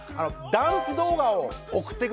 ダンス動画を送って下さい。